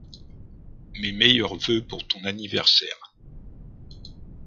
Mes meilleurs voeux pour ton anniversaire !